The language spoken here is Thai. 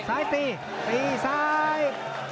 ซ้ายตีตีซ้าย